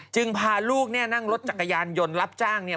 พาลูกเนี่ยนั่งรถจักรยานยนต์รับจ้างเนี่ย